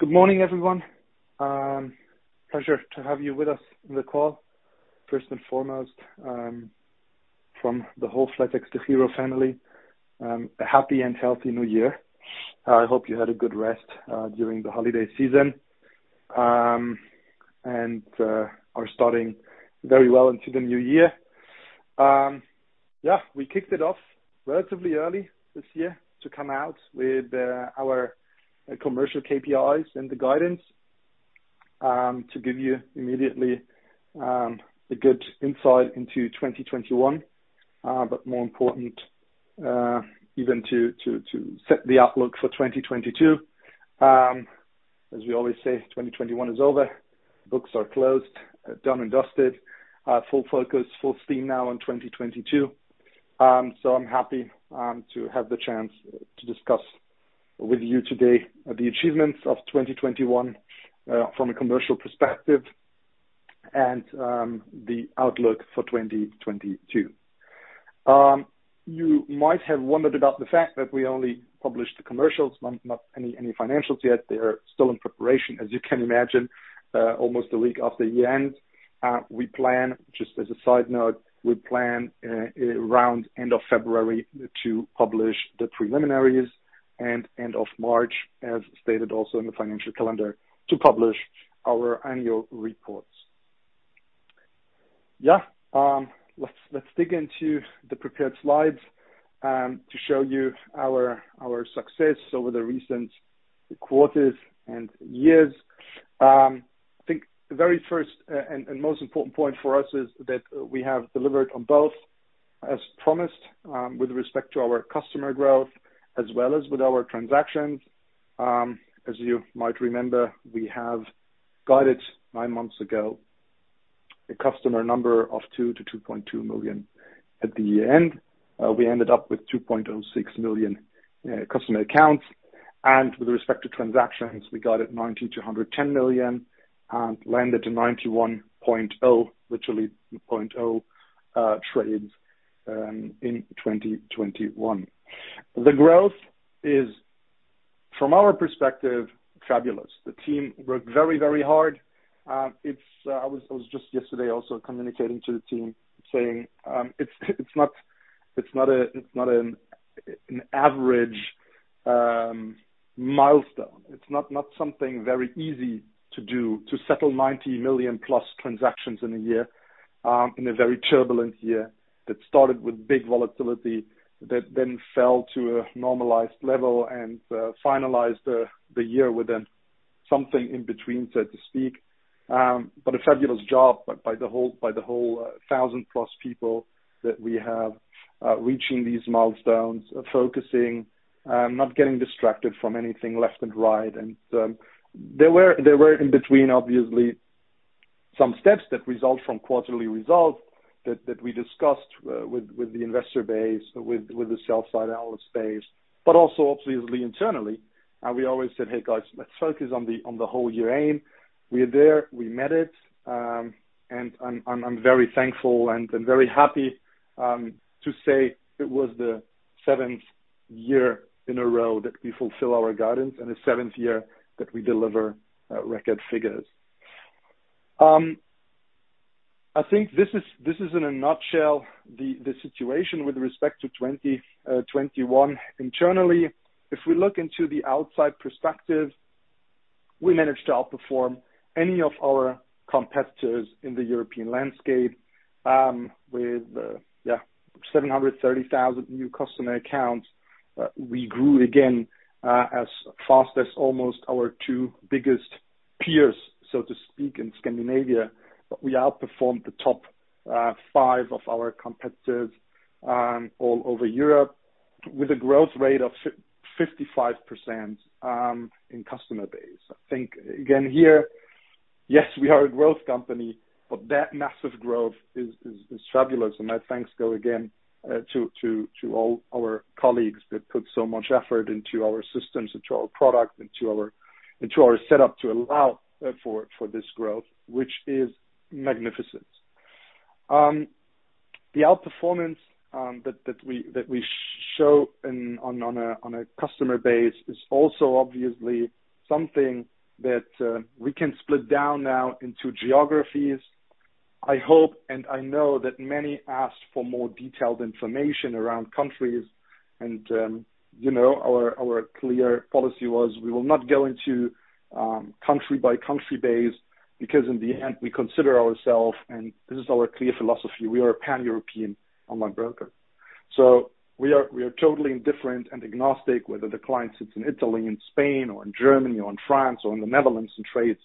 Good morning, everyone. Pleasure to have you with us on the call. First and foremost, from the whole flatexDEGIRO family, a happy and healthy new year. I hope you had a good rest during the holiday season and are starting very well into the new year. Yeah, we kicked it off relatively early this year to come out with our commercial KPIs and the guidance to give you immediately a good insight into 2021, but more important, even to set the outlook for 2022. As we always say, 2021 is over. Books are closed, done and dusted. Full focus, full steam now on 2022. I'm happy to have the chance to discuss with you today the achievements of 2021 from a commercial perspective and the outlook for 2022. You might have wondered about the fact that we only published the commercials, not any financials yet. They are still in preparation, as you can imagine, almost a week after year-end. Just as a side note, we plan around end of February to publish the preliminaries and end of March, as stated also in the financial calendar, to publish our annual reports. Let's dig into the prepared slides to show you our success over the recent quarters and years. I think the very first and most important point for us is that we have delivered on both as promised, with respect to our customer growth as well as with our transactions. As you might remember, we have guided nine months ago a customer number of 2-2.2 million. At the end, we ended up with 2.06 million customer accounts. With respect to transactions, we got to 90-110 million and landed at 91.0, literally point oh, trades in 2021. The growth is, from our perspective, fabulous. The team worked very, very hard. I was just yesterday also communicating to the team saying, it's not an average milestone. It's not something very easy to do, to settle 90 million+ transactions in a year, in a very turbulent year that started with big volatility that then fell to a normalized level and finalized the year with then something in between, so to speak. A fabulous job by the whole 1,000+ people that we have reaching these milestones, focusing not getting distracted from anything left and right. There were in between obviously some steps that result from quarterly results that we discussed with the investor base, with the sell side analyst base, but also obviously internally. We always said, "Hey guys, let's focus on the whole year aim." We are there, we met it, and I'm very thankful and very happy to say it was the seventh year in a row that we fulfill our guidance and the seventh year that we deliver record figures. I think this is in a nutshell the situation with respect to 2021 internally. If we look into the outside perspective, we managed to outperform any of our competitors in the European landscape with 730,000 new customer accounts. We grew again as fast as almost our two biggest peers, so to speak, in Scandinavia, but we outperformed the top five of our competitors all over Europe with a growth rate of 55% in customer base. I think again here, yes, we are a growth company, but that massive growth is fabulous and my thanks go again to all our colleagues that put so much effort into our systems, into our product, into our setup to allow for this growth, which is magnificent. The outperformance that we show on a customer base is also obviously something that we can split down now into geographies. I hope, and I know that many asked for more detailed information around countries and, you know, our clear policy was we will not go into country-by-country basis because in the end we consider ourselves, and this is our clear philosophy, we are a pan-European online broker. We are totally indifferent and agnostic whether the client sits in Italy, in Spain or in Germany or in France or in the Netherlands and trades.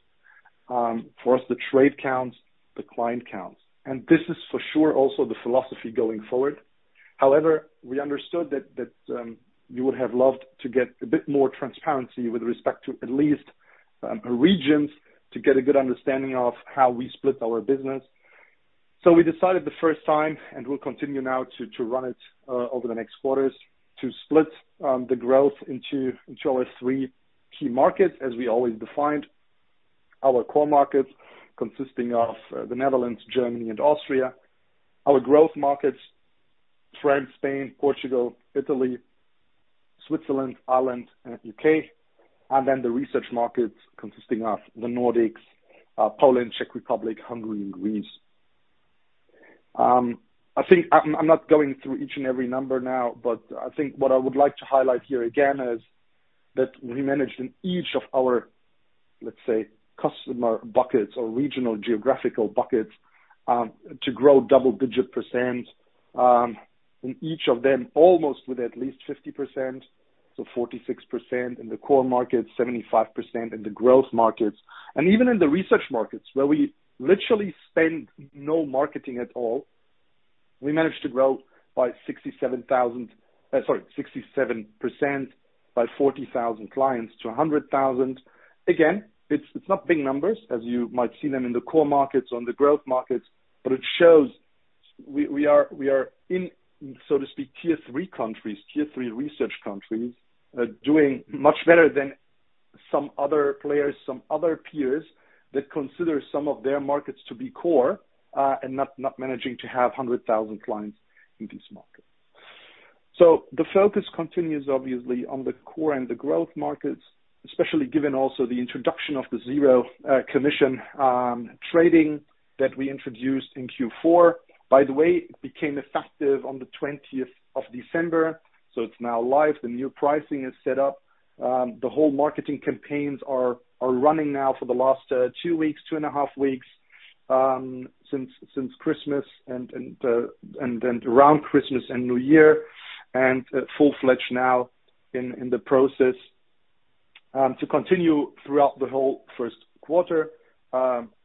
For us, the trade counts, the client counts. This is for sure also the philosophy going forward. However, we understood that you would have loved to get a bit more transparency with respect to at least regions to get a good understanding of how we split our business. We decided the first time, and we'll continue now to run it over the next quarters, to split the growth into our three key markets as we always defined. Our core markets consisting of the Netherlands, Germany, and Austria. Our growth markets, France, Spain, Portugal, Italy, Switzerland, Ireland, and U.K., and then the rest markets consisting of the Nordics, Poland, Czech Republic, Hungary, and Greece. I think I'm not going through each and every number now, but I think what I would like to highlight here again is that we managed in each of our, let's say, customer buckets or regional geographical buckets, to grow double-digit%, in each of them almost with at least 50%. 46% in the core markets, 75% in the growth markets. Even in the rest markets where we literally spend no marketing at all, we managed to grow by 67% by 40,000 clients to 100,000. Again, it's not big numbers as you might see them in the core markets, on the growth markets, but it shows we are in, so to speak, tier three countries, tier three research countries, doing much better than some other players, some other peers that consider some of their markets to be core, and not managing to have 100,000 clients in these markets. The focus continues obviously on the core and the growth markets, especially given also the introduction of the zero commission trading that we introduced in Q4. By the way, it became effective on the 20th of December, so it's now live. The new pricing is set up. The whole marketing campaigns are running now for the last two weeks, two and a half weeks, since Christmas and then around Christmas and New Year, and full-fledged now in the process to continue throughout the whole first quarter,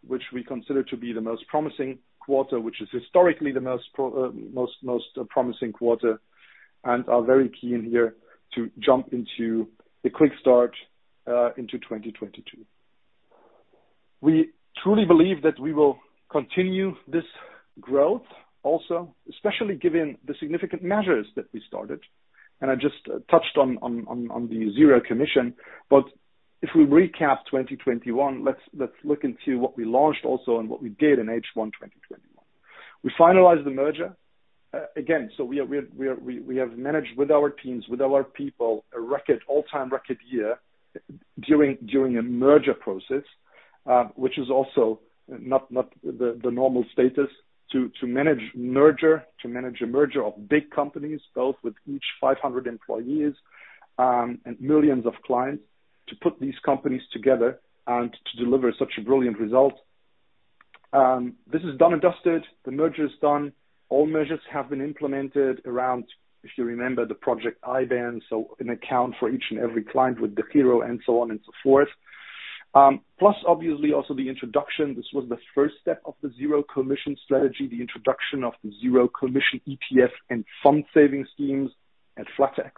which we consider to be the most promising quarter, which is historically the most promising quarter and are very keen here to jump into the quick start into 2022. We truly believe that we will continue this growth also, especially given the significant measures that we started. I just touched on the zero commission. If we recap 2021, let's look into what we launched also and what we did in H1 2021. We finalized the merger. Again, we have managed with our teams, with our people, a record, all-time record year during a merger process, which is also not the normal status to manage a merger of big companies, both with each 500 employees, and millions of clients to put these companies together and to deliver such a brilliant result. This is done and dusted. The merger is done. All measures have been implemented around, if you remember, the project IBAN, so an account for each and every client with the DEGIRO and so on and so forth. Plus obviously also the introduction. This was the first step of the zero commission strategy, the introduction of the zero commission ETF and fund savings schemes at flatex.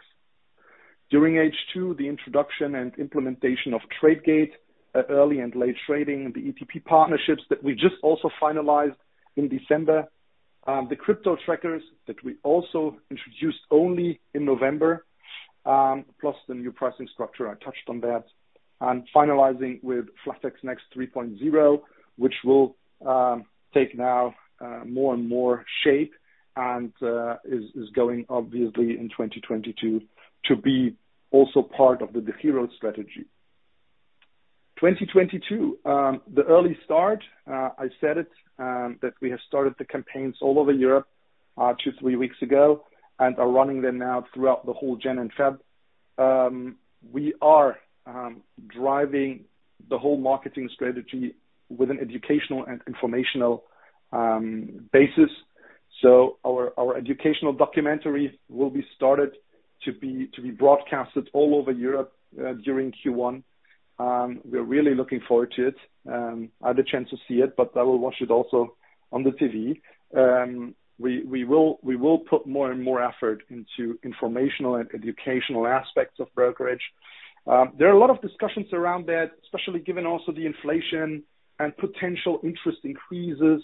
During H2, the introduction and implementation of Tradegate early and late trading, the ETP partnerships that we just also finalized in December, the crypto trackers that we also introduced only in November, plus the new pricing structure, I touched on that, and finalizing with flatex next 3.0, which will take now more and more shape and is going obviously in 2022 to be also part of the hero strategy. 2022, the early start, I said it, that we have started the campaigns all over Europe two-three weeks ago and are running them now throughout the whole January and February. We are driving the whole marketing strategy with an educational and informational basis. Our educational documentary will be started to be broadcasted all over Europe during Q1. We're really looking forward to it. I had a chance to see it, but I will watch it also on the TV. We will put more and more effort into informational and educational aspects of brokerage. There are a lot of discussions around that, especially given also the inflation and potential interest increases.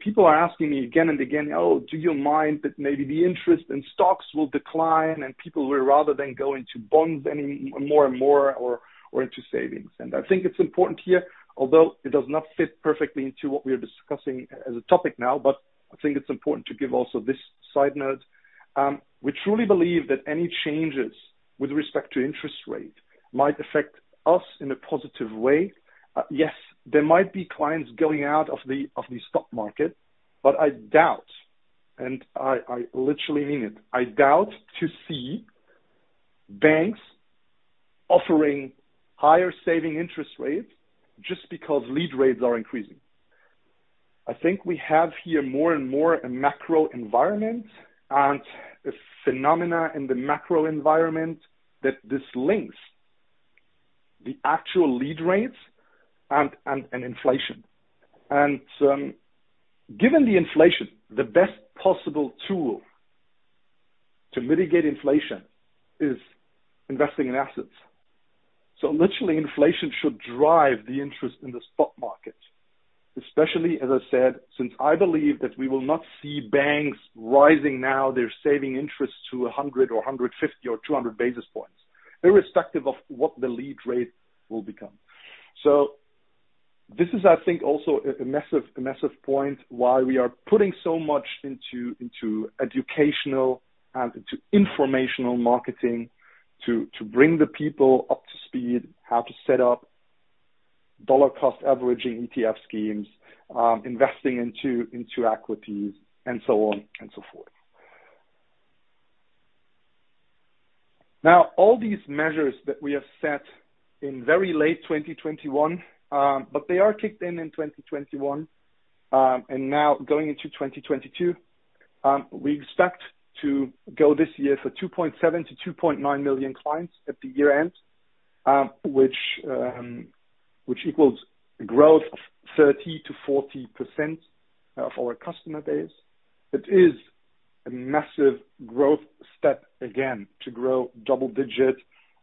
People are asking me again and again, "Oh, do you mind that maybe the interest in stocks will decline and people will rather go into bonds anymore or into savings?" I think it's important here, although it does not fit perfectly into what we are discussing as a topic now, but I think it's important to give also this side note. We truly believe that any changes with respect to interest rate might affect us in a positive way. Yes, there might be clients going out of the stock market, but I doubt, and I literally mean it, to see banks offering higher savings interest rates just because lending rates are increasing. I think we have here more and more a macro environment and a phenomenon in the macro environment that this links the actual lending rates and inflation. Given the inflation, the best possible tool to mitigate inflation is investing in assets. Literally inflation should drive the interest in the stock market, especially, as I said, since I believe that we will not see banks raising now their savings interest to 100 or 150 or 200 basis points, irrespective of what the lending rate will become. This is, I think, also a massive point why we are putting so much into educational and informational marketing to bring the people up to speed, how to set up dollar cost averaging ETF schemes, investing into equities and so on and so forth. Now all these measures that we have set in very late 2021, but they are kicked in in 2021, and now going into 2022, we expect to go this year for 2.7-2.9 million clients at the year-end, which equals a growth of 30%-40% of our customer base. It is a massive growth step again to grow double-digit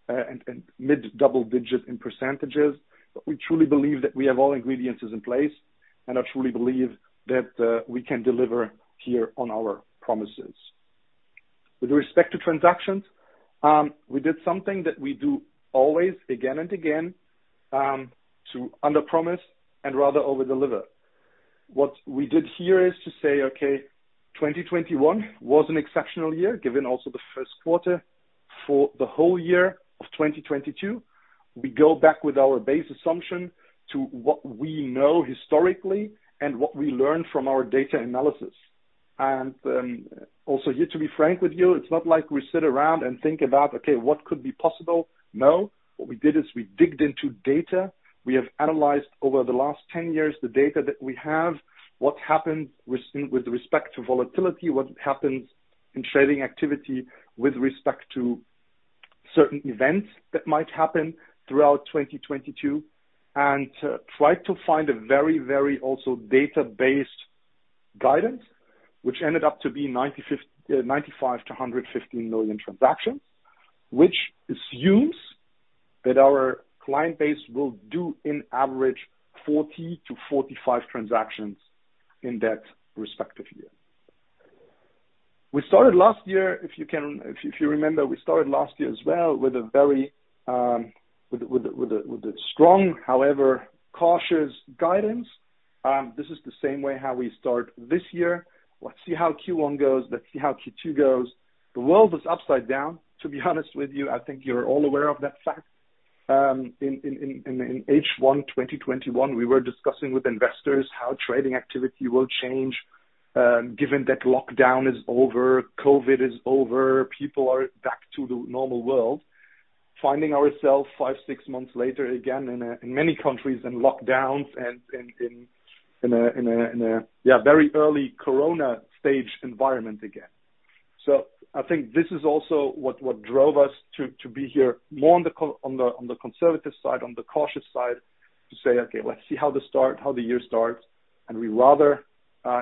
and mid double-digit in percentages. We truly believe that we have all ingredients is in place, and I truly believe that we can deliver here on our promises. With respect to transactions, we did something that we do always again and again to under promise and rather over-deliver. What we did here is to say, okay, 2021 was an exceptional year, given also the first quarter. For the whole year of 2022, we go back with our base assumption to what we know historically and what we learned from our data analysis. Also here, to be frank with you, it's not like we sit around and think about, okay, what could be possible? No. What we did is we dug into data. We have analyzed over the last 10 years, the data that we have, what happened with respect to volatility, what happens in trading activity with respect to certain events that might happen throughout 2022, and tried to find a very data-based guidance, which ended up to be 95-115 million transactions, which assumes that our client base will do an average 40-45 transactions in that respective year. We started last year, if you remember, we started last year as well with a very strong, however cautious guidance. This is the same way how we start this year. Let's see how Q1 goes. Let's see how Q2 goes. The world is upside down, to be honest with you. I think you're all aware of that fact. In H1 2021, we were discussing with investors how trading activity will change, given that lockdown is over, COVID is over, people are back to the normal world, finding ourselves five, six months later, again in many countries in lockdowns and in a very early corona stage environment again. I think this is also what drove us to be here more on the conservative side, on the cautious side, to say, "Okay, let's see how the year starts, and we rather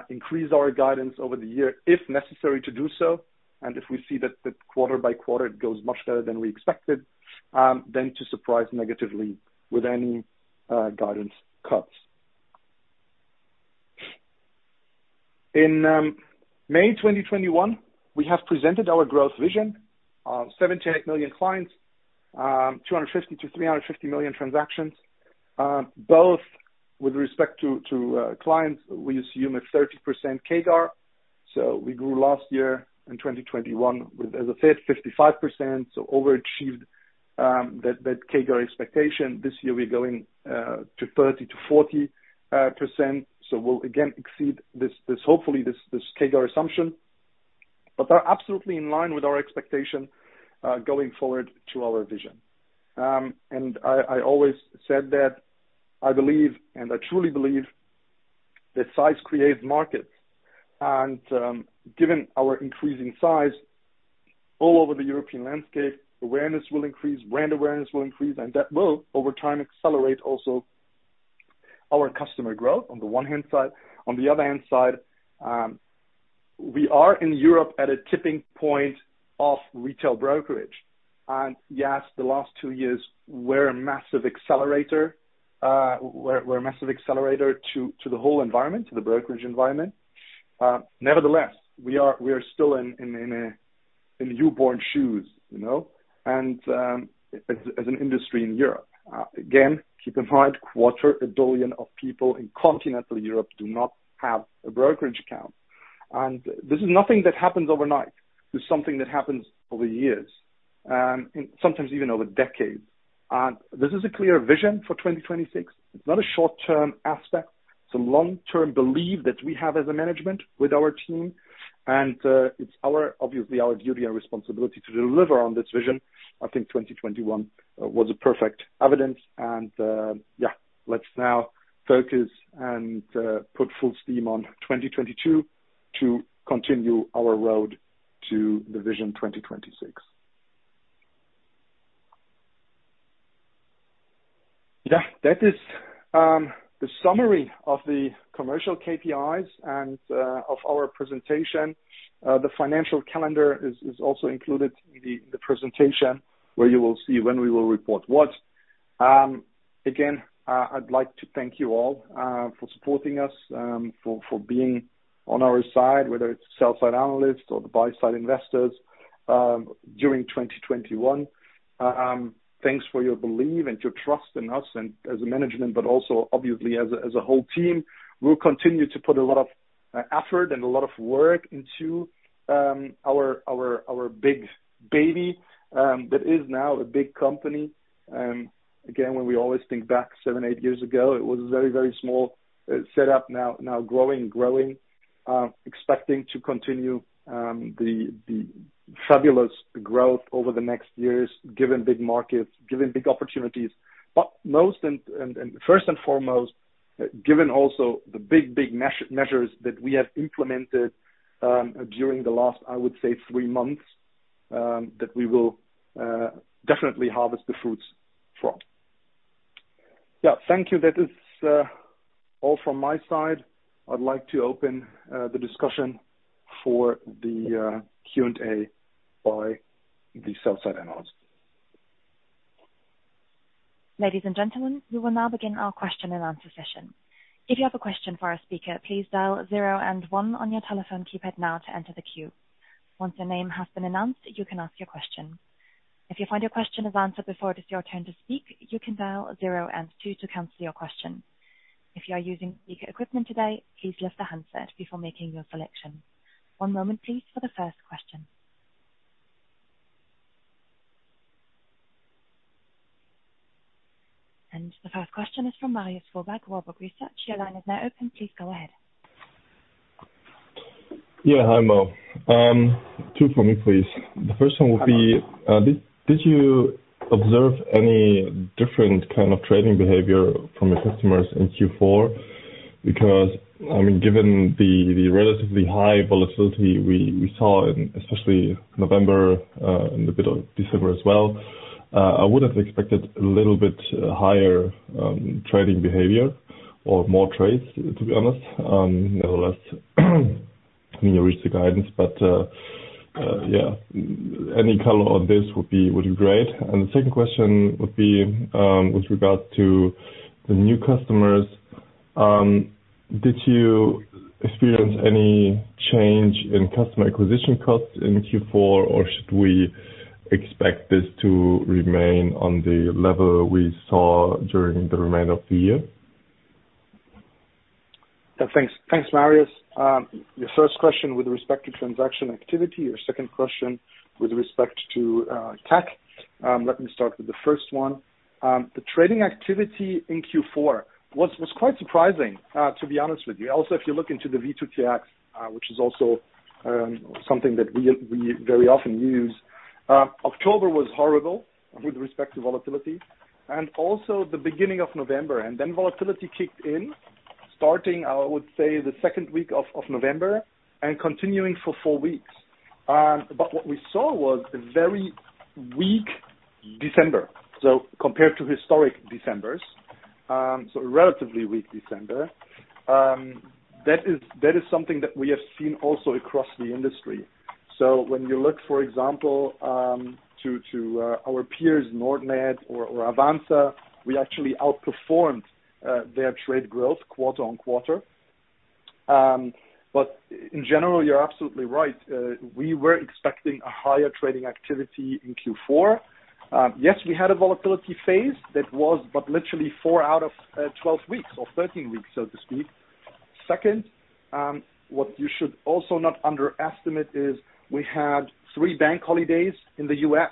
increase our guidance over the year if necessary to do so. If we see that quarter by quarter it goes much better than we expected, then to surprise negatively with any guidance cuts. In May 2021, we have presented our growth vision, 78 million clients, 250-350 million transactions. Both with respect to clients, we assume a 30% CAGR. We grew last year in 2021 with as I said, 55%, so overachieved that CAGR expectation. This year we're going to 30%-40%. We'll again exceed this CAGR assumption, but are absolutely in line with our expectation going forward to our vision. I always said that I believe, and I truly believe, that size creates markets. Given our increasing size all over the European landscape, awareness will increase, brand awareness will increase, and that will over time accelerate also our customer growth on the one hand side. On the other hand side, we are in Europe at a tipping point of retail brokerage. Yes, the last two years, we're a massive accelerator. We're a massive accelerator to the whole environment, to the brokerage environment. Nevertheless, we are still in newborn shoes, you know, and as an industry in Europe. Again, keep in mind, a quarter of a billion people in continental Europe do not have a brokerage account. This is nothing that happens overnight. This is something that happens over years, and sometimes even over decades. This is a clear vision for 2026. It's not a short-term aspect. It's a long-term belief that we have as a management with our team. It's obviously our duty and responsibility to deliver on this vision. I think 2021 was a perfect evidence and let's now focus and put full steam on 2022 to continue our road to the vision 2026. That is the summary of the commercial KPIs and of our presentation. The financial calendar is also included in the presentation where you will see when we will report what. Again, I'd like to thank you all for supporting us for being on our side, whether it's sell side analysts or the buy side investors during 2021. Thanks for your belief and your trust in us and as a management, but also obviously as a whole team. We'll continue to put a lot of effort and a lot of work into our big baby that is now a big company. Again, when we always think back seven, eight years ago, it was very small set up now growing and growing. Expecting to continue the fabulous growth over the next years, given big markets, given big opportunities. But most and first and foremost, given also the big measures that we have implemented during the last, I would say, three months, that we will definitely harvest the fruits from. Thank you. That is all from my side. I'd like to open the discussion for the Q&A by the sell-side analysts. Ladies and gentlemen, we will now begin our question and answer session. If you have a question for our speaker, please dial zero and one on your telephone keypad now to enter the queue. Once your name has been announced, you can ask your question. If you find your question is answered before it is your turn to speak, you can dial zero and two to cancel your question. If you are using speaker equipment today, please lift the handset before making your selection. One moment please, for the first question. The first question is from Marius Fuhrberg, Warburg Research. Your line is now open. Please go ahead. Yeah. Hi, Mo. Two for me, please. The first one would be, did you observe any different kind of trading behavior from your customers in Q4? Because, I mean, given the relatively high volatility we saw in especially November, in the middle of December as well, I would have expected a little bit higher trading behavior or more trades, to be honest. Nevertheless, you reached the guidance. Yeah, any color on this would be great. The second question would be, with regards to the new customers, did you experience any change in customer acquisition costs in Q4, or should we expect this to remain on the level we saw during the remainder of the year? Thanks. Thanks, Marius. Your first question with respect to transaction activity, your second question with respect to CAC. Let me start with the first one. The trading activity in Q4 was quite surprising, to be honest with you. Also, if you look into the VSTOXX, which is also something that we very often use, October was horrible with respect to volatility and also the beginning of November. Volatility kicked in starting, I would say, the second week of November and continuing for four weeks. But what we saw was a very weak December. Compared to historic Decembers, so a relatively weak December. That is something that we have seen also across the industry. When you look, for example, to our peers, Nordnet or Avanza, we actually outperformed their trade growth quarter-over-quarter. In general, you're absolutely right. We were expecting a higher trading activity in Q4. Yes, we had a volatility phase that was, but literally four out of 12 weeks or 13 weeks, so to speak. Second, what you should also not underestimate is we had three bank holidays in the U.S.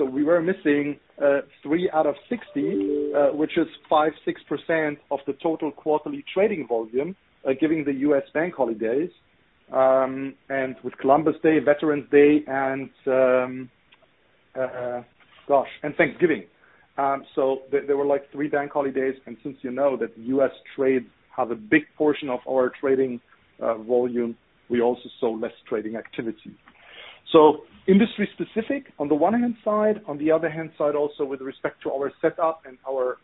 We were missing three out of 60, which is 5%-6% of the total quarterly trading volume, giving the U.S. bank holidays, and with Columbus Day, Veterans Day, and Thanksgiving. There were like three bank holidays, and since you know that U.S. trades have a big portion of our trading volume, we also saw less trading activity. Industry specific on the one hand side, on the other hand side also with respect to our setup and our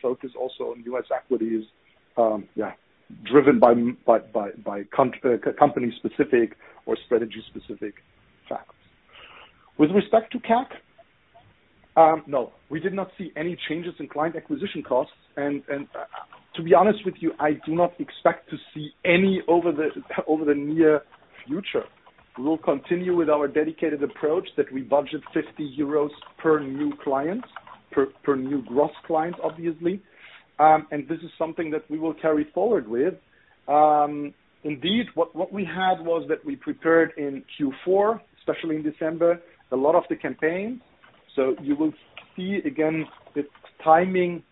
focus also on U.S. equities, driven by company specific or strategy specific facts. With respect to CAC, no, we did not see any changes in client acquisition costs. To be honest with you, I do not expect to see any in the near future. We will continue with our dedicated approach that we budget 50 euros per new client, per new gross client, obviously. This is something that we will carry forward with. Indeed, what we had was that we prepared in Q4, especially in December, a lot of the campaigns. You will see again the timing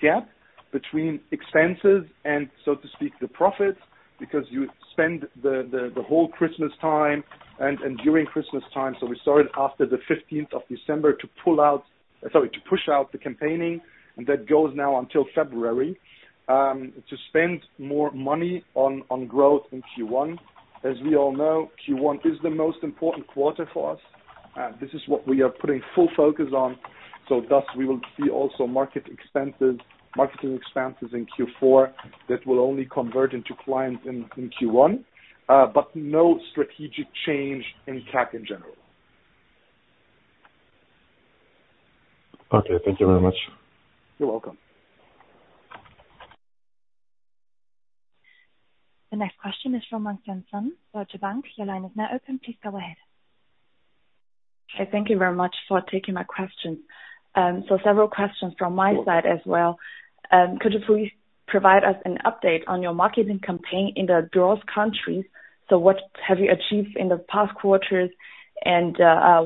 gap between expenses and, so to speak, the profits, because you spend the whole Christmas time and during Christmas time. We started after the 15th of December to push out the campaigning, and that goes now until February to spend more money on growth in Q1. As we all know, Q1 is the most important quarter for us. This is what we are putting full focus on. Thus we will see also marketing expenses in Q4 that will only convert into clients in Q1. But no strategic change in CAC in general. Okay. Thank you very much. You're welcome. The next question is from Mengxian Sun, Deutsche Bank. Your line is now open. Please go ahead. Okay. Thank you very much for taking my questions. Several questions from my side as well. Could you please provide us an update on your marketing campaign in the growth countries? What have you achieved in the past quarters and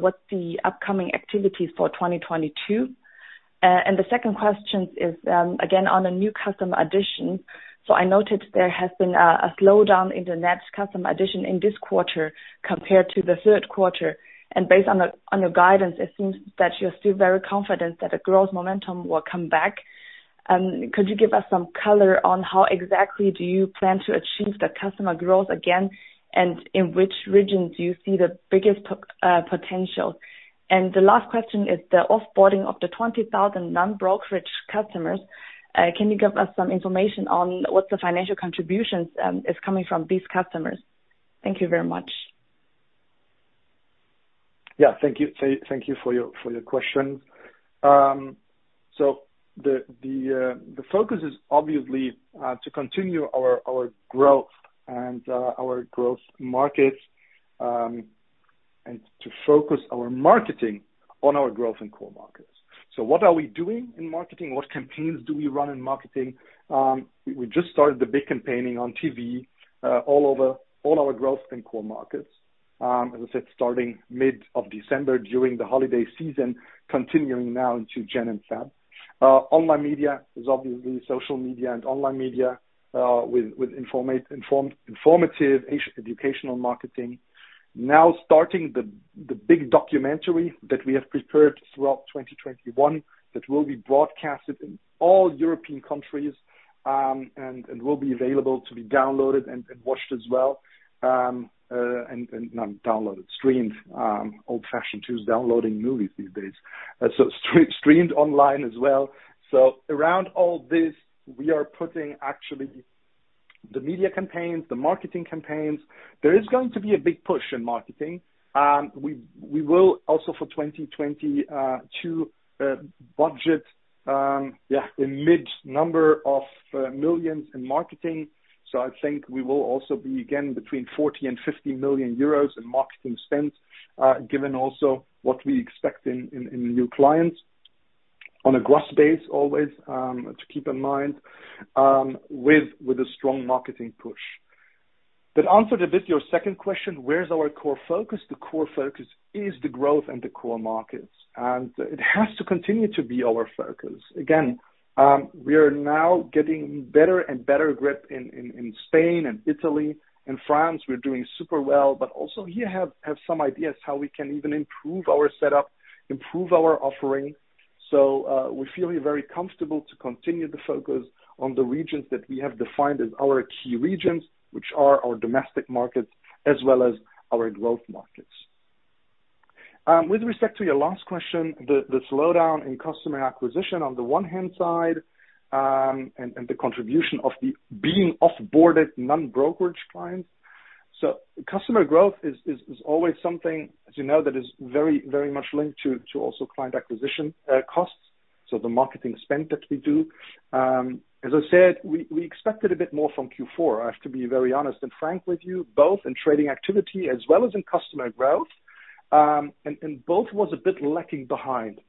what the upcoming activities for 2022? The second question is, again, on net customer addition. I noted there has been a slowdown in net customer addition in this quarter compared to the third quarter. Based on your guidance, it seems that you're still very confident that the growth momentum will come back. Could you give us some color on how exactly you plan to achieve the customer growth again, and in which regions you see the biggest potential? The last question is the off-boarding of the 20,000 non-brokerage customers. Can you give us some information on what the financial contributions is coming from these customers? Thank you very much. Thank you for your questions. The focus is obviously to continue our growth and our growth markets and to focus our marketing on our growth and core markets. What are we doing in marketing? What campaigns do we run in marketing? We just started the big campaign on TV all over our growth and core markets, as I said, starting mid-December during the holiday season, continuing now into January and February. Online media is obviously social media and online media with informative educational marketing. Now starting the big documentary that we have prepared throughout 2021, that will be broadcasted in all European countries and will be available to be downloaded and watched as well. Not downloaded, streamed. Old-fashioned, who's downloading movies these days. Streamed online as well. Around all this, we are putting actually the media campaigns, the marketing campaigns. There is going to be a big push in marketing. We will also for 2022 budget a mid-number of millions in marketing. I think we will also be again between 40 million and 50 million euros in marketing spend, given also what we expect in new clients on a gross base always to keep in mind with a strong marketing push. Answer a bit your second question, where's our core focus? The core focus is the growth and the core markets, and it has to continue to be our focus. Again, we are now getting better and better grip in Spain and Italy and France. We're doing super well, but also here have some ideas how we can even improve our setup, improve our offering. We feel very comfortable to continue the focus on the regions that we have defined as our key regions, which are our domestic markets as well as our growth markets. With respect to your last question, the slowdown in customer acquisition on the one hand side, and the contribution of the being off-boarded non-brokerage clients. Customer growth is always something, as you know, that is very, very much linked to also client acquisition costs, so the marketing spend that we do. As I said, we expected a bit more from Q4. I have to be very honest and frank with you, both in trading activity as well as in customer growth. Both was a bit lagging behind.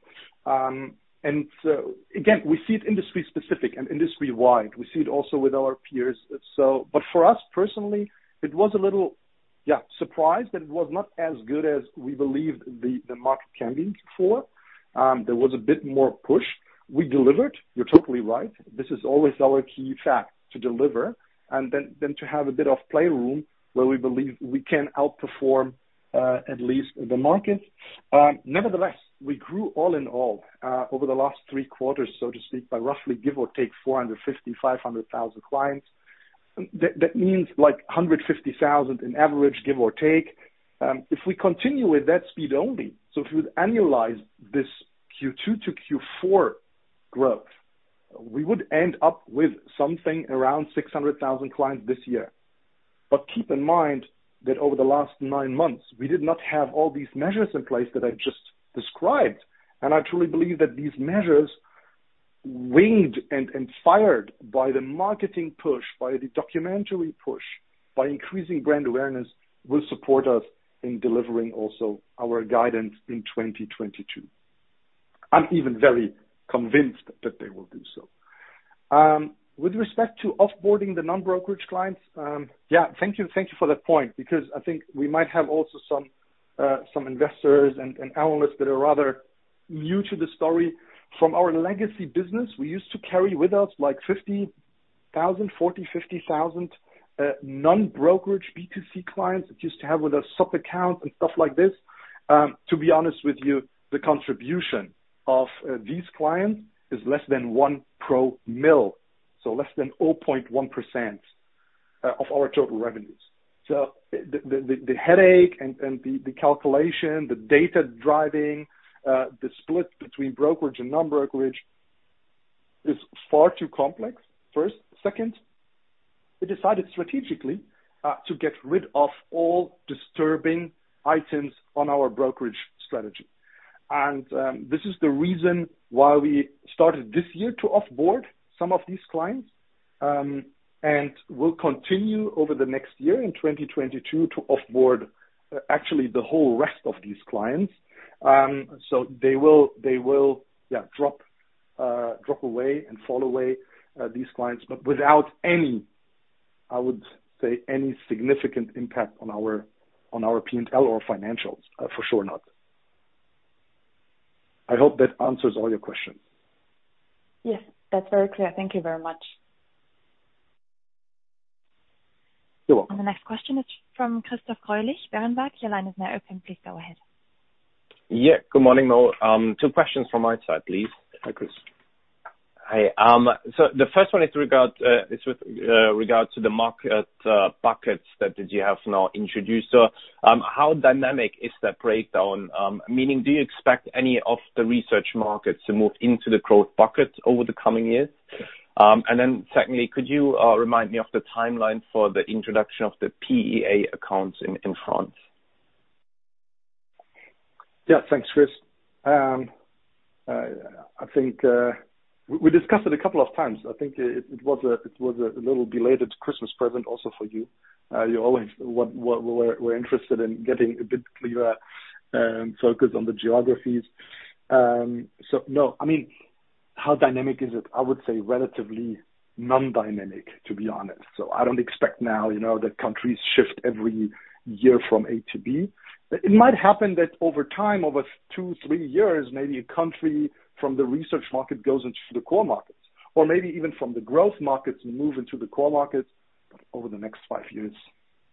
We see it industry-specific and industry-wide. We see it also with our peers. For us personally, it was a little, yeah, surprising that it was not as good as we believed the market can be before. There was a bit more push. We delivered, you're totally right. This is always our key fact, to deliver, and then to have a bit of playroom where we believe we can outperform at least the market. Nevertheless, we grew all in all over the last three quarters, so to speak, by roughly give or take 450,000-500,000 clients. That means like 150,000 in average, give or take. If we continue with that speed only, so if you annualize this Q2 to Q4 growth, we would end up with something around 600,000 clients this year. But keep in mind that over the last nine months, we did not have all these measures in place that I just described. I truly believe that these measures, winged and fired by the marketing push, by the documentary push, by increasing brand awareness, will support us in delivering also our guidance in 2022. I'm even very convinced that they will do so. With respect to off-boarding the non-brokerage clients, thank you for that point, because I think we might have also some investors and analysts that are rather new to the story. From our legacy business, we used to carry with us like 40,000-50,000 non-brokerage B2C clients that used to have with us sub-accounts and stuff like this. To be honest with you, the contribution of these clients is less than one per mille, so less than 0.1% of our total revenues. The headache and the calculation, the data driving the split between brokerage and non-brokerage is far too complex, first. Second, we decided strategically to get rid of all disturbing items on our brokerage strategy. This is the reason why we started this year to off-board some of these clients, and we'll continue over the next year in 2022 to off-board actually the whole rest of these clients. They will, yeah, drop away and fall away, these clients. Without any, I would say, any significant impact on our P&L or financials. For sure not. I hope that answers all your questions. Yes. That's very clear. Thank you very much. You're welcome. The next question is from Christoph Greulich. Your line is now open. Please go ahead. Yeah. Good morning all. Two questions from my side, please. Hi, Chris. Hi. The first one is with regards to the market buckets that you have now introduced. How dynamic is that breakdown? Meaning, do you expect any of the mature markets to move into the growth bucket over the coming years? Secondly, could you remind me of the timeline for the introduction of the PEA accounts in France? Yeah. Thanks, Chris. I think we discussed it a couple of times. I think it was a little belated Christmas present also for you. You always were interested in getting a bit clearer focus on the geographies. No, I mean, how dynamic is it? I would say relatively non-dynamic, to be honest. I don't expect now, you know, that countries shift every year from A to B. It might happen that over time, over two, three years, maybe a country from the research market goes into the core markets. Or maybe even from the growth markets move into the core markets over the next five years.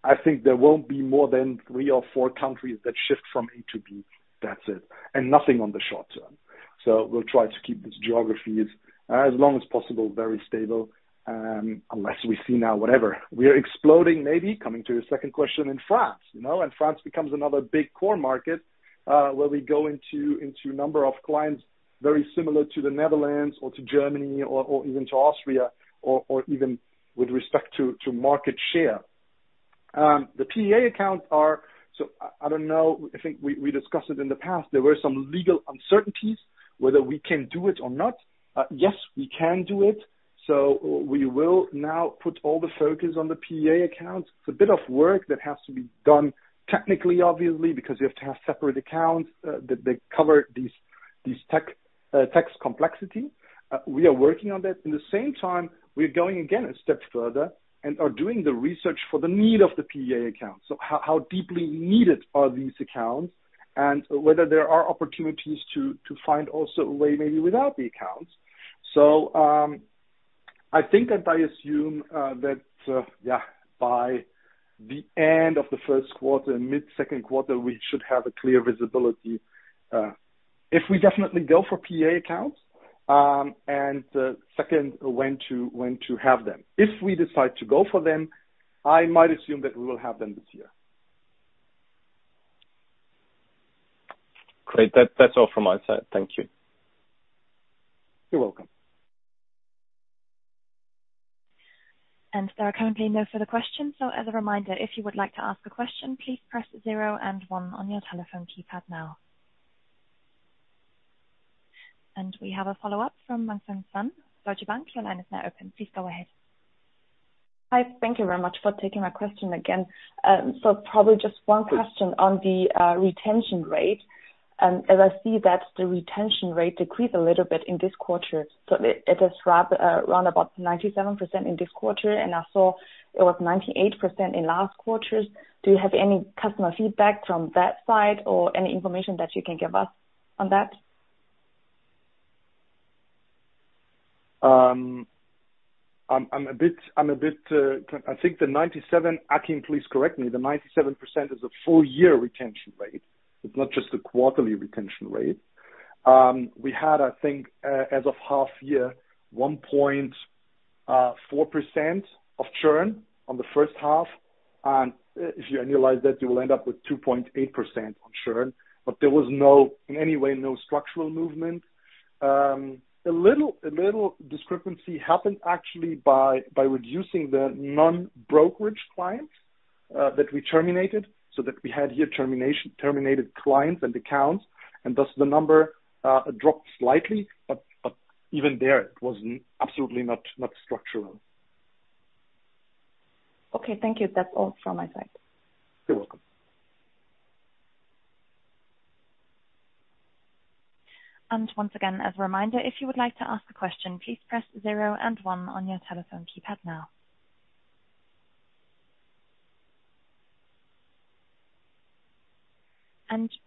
I think there won't be more than three or four countries that shift from A to B. That's it, and nothing on the short term. We'll try to keep these geographies as long as possible, very stable. Unless we see now whatever. We are exploding maybe, coming to your second question, in France, you know, and France becomes another big core market, where we go into number of clients very similar to the Netherlands or to Germany or even to Austria or even with respect to market share. The PEA accounts are. I don't know. I think we discussed it in the past. There were some legal uncertainties whether we can do it or not. Yes, we can do it. We will now put all the focus on the PEA accounts. It's a bit of work that has to be done technically, obviously, because you have to have separate accounts that they cover these tax complexity. We are working on that. At the same time, we're going a step further and are doing the research on the need of the PEA accounts. How deeply needed are these accounts and whether there are opportunities to find also a way maybe without the accounts. I think that I assume that by the end of the first quarter, mid second quarter, we should have a clear visibility if we definitely go for PEA accounts. Second, when to have them. If we decide to go for them, I might assume that we will have them this year. Great. That's all from my side. Thank you. You're welcome. There are currently no further questions. As a reminder, if you would like to ask a question, please press zero and one on your telephone keypad now. We have a follow-up from [inaudible] Bank. Your line is now open. Please go ahead. Hi. Thank you very much for taking my question again. Probably just one question on the retention rate. As I see that the retention rate decreased a little bit in this quarter, it is around about 97% in this quarter, and I saw it was 98% in last quarters. Do you have any customer feedback from that side or any information that you can give us on that? I'm a bit. I think the 97%—Achim, please correct me. The 97% is a full year retention rate. It's not just a quarterly retention rate. We had, I think, as of half year, 1.4% of churn on the first half. If you annualize that, you will end up with 2.8% of churn. There was no, in any way, no structural movement. A little discrepancy happened actually by reducing the non-brokerage clients that we terminated, so that we had here terminated clients and accounts. Thus, the number dropped slightly. Even there, it was absolutely not structural. Okay, thank you. That's all from my side. You're welcome. Once again, as a reminder, if you would like to ask a question, please press zero and one on your telephone keypad now.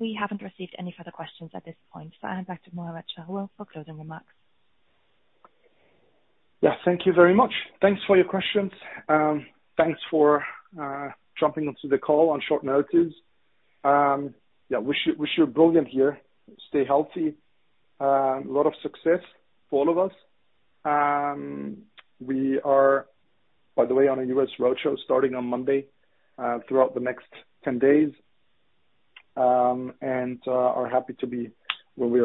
We haven't received any further questions at this point. I hand back to Muhamad Chahrour for closing remarks. Yeah. Thank you very much. Thanks for your questions. Thanks for jumping onto the call on short notice. Yeah, wish you brilliant year. Stay healthy. A lot of success for all of us. We are, by the way, on a U.S. roadshow starting on Monday throughout the next 10 days. We are happy to be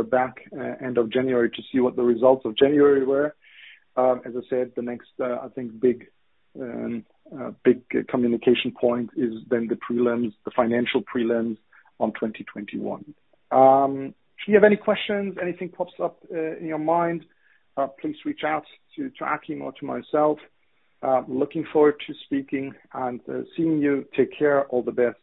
back end of January to see what the results of January were. As I said, the next big communication point is then the prelims, the financial prelims on 2021. If you have any questions, anything pops up in your mind, please reach out to Achim or to myself. Looking forward to speaking and seeing you. Take care. All the best.